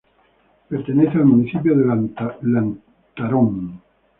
Pertenece al Municipio de Lantarón.